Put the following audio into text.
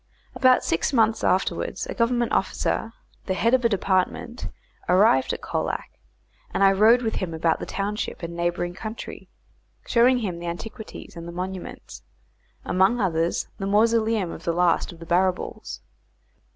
About six months afterwards a Government officer, the head of a department, arrived at Colac, and I rode with him about the township and neighbouring country showing him the antiquities and the monuments, among others the mausoleum of the last of the Barrabools.